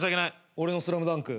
俺の『ＳＬＡＭＤＵＮＫ』？